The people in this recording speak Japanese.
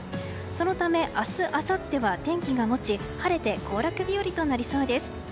そのため明日あさっては天気が持ち晴れて行楽日和となりそうです。